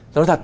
tôi nói thật